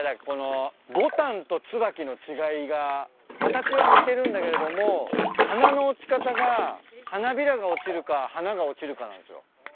このボタンとツバキの違いが形は似てるんだけれども花の落ち方が花びらが落ちるか花が落ちるかなんすよ。